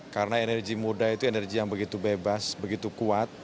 karena energi muda itu energi yang begitu bebas begitu kuat